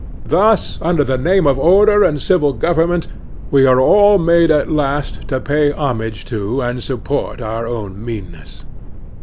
Thus, under the name of Order and Civil Government, we are all made at last to pay homage to and support our own meanness.